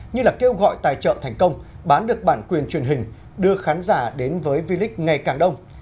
như là kêu gọi tài trợ thành công bán được bản quyền truyền hình đưa khán giả đến với v league ngày càng đông